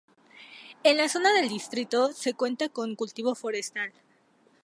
En la zona del distrito se cuenta con cultivo forestal.